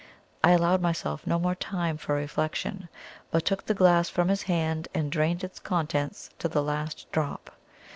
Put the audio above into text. I allowed myself no more time for reflection, but took the glass from his hand and drained its contents to the last drop.